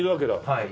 はい。